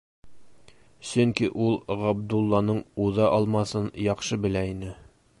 Сөнки ул Ғабдулланың уҙа алмаҫын яҡшы белә ине.